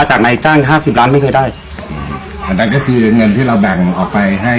จากนายจ้างห้าสิบล้านไม่เคยได้อืมอันนั้นก็คือเงินที่เราแบ่งออกไปให้